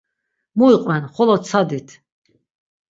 Mu iqven xolo tsadit.